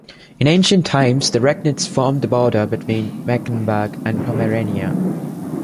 In ancient times, the Recknitz formed the border between Mecklenburg and Pomerania.